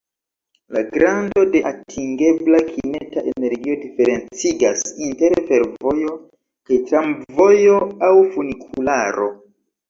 La grando de atingebla kineta energio diferencigas inter fervojo kaj tramvojo aŭ funikularo.